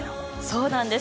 そうなんです。